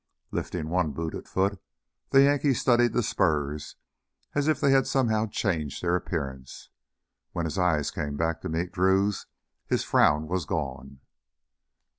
Lifting one booted foot, the Yankee studied the spurs as if they had somehow changed their appearance. When his eyes came back to meet Drew's his frown was gone.